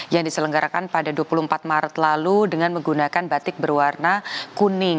yang diselenggarakan pada dua puluh empat maret lalu dengan menggunakan batik berwarna kuning